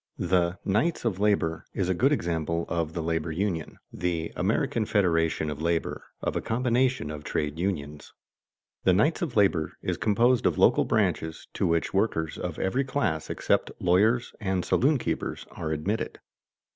The "Knights of Labor" is a good example of the labor union, the "American Federation of Labor" of a combination of trade unions. The Knights of Labor is composed of local branches to which workers of every class except lawyers and saloon keepers are admitted.